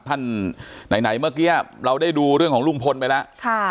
ไหนเมื่อกี้เราได้ดูเรื่องของลุงพลไปแล้ว